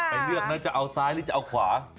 เลือกนะจะเอาซ้ายหรือจะเอาขวา